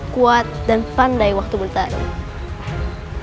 kuat dan pandai waktu bertahan